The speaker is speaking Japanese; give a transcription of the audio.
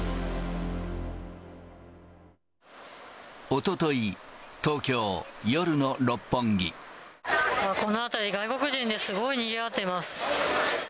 おととい、この辺り、外国人でにぎわっています。